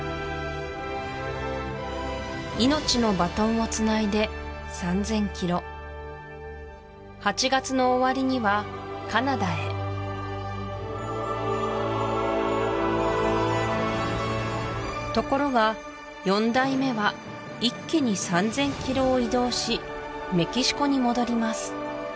命のバトンをつないで３０００ｋｍ８月の終わりにはカナダへところが４代目は一気に３０００ｋｍを移動しメキシコに戻ります